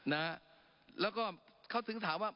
นะแล้วก็เขาถึงถามว่า